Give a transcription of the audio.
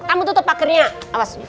kamu tutup pakernya awas